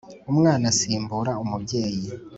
umwana asimbura umubyeyi.